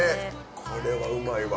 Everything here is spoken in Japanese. これはうまいわ。